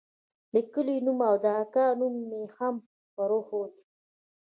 د کلي نوم او د اکا نوم مې هم وروښود.